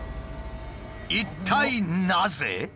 一体なぜ？